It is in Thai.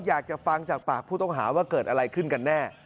อยากจะฟังจากปากผู้ต้องหาว่าเกิดอะไรขึ้นกันแน่